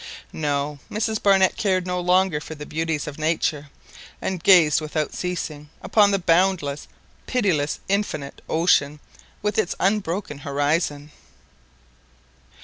No! Mrs Barnett cared no longer for the beauties of nature, and gazed without ceasing upon the boundless, pitiless, infinite ocean with its unbroken horizon.